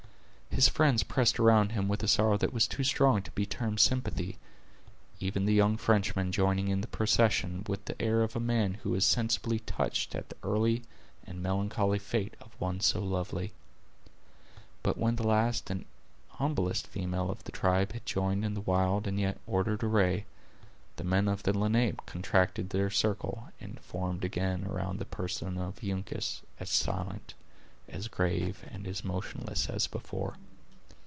His friends pressed around him with a sorrow that was too strong to be termed sympathy—even the young Frenchman joining in the procession, with the air of a man who was sensibly touched at the early and melancholy fate of one so lovely. But when the last and humblest female of the tribe had joined in the wild and yet ordered array, the men of the Lenape contracted their circle, and formed again around the person of Uncas, as silent, as grave, and as motionless as before.